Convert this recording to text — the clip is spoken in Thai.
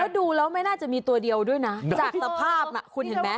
แล้วดูแล้วไม่น่าจะมีตัวเดียวด้วยนะจากสภาพคุณเห็นไหม